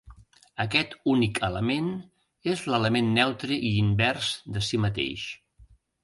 Aquest únic element és l'element neutre i invers de si mateix.